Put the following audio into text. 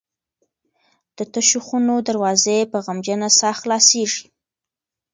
د تشو خونو دروازې په غمجنه ساه خلاصیږي.